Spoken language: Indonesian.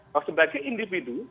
bahwa sebagai individu